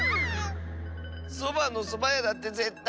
「そばのそばや」だってぜったいこわいよ